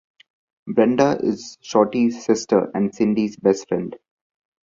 Brenda is Shorty’s sister and Cindy’s best friend.